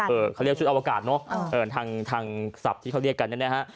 เขาเรียกชุดอวกาศเนอะเอ่อทางทางศัพท์ที่เขาเรียกกันเนี่ยนะฮะ